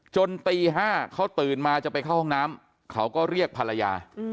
ตี๕เขาตื่นมาจะไปเข้าห้องน้ำเขาก็เรียกภรรยา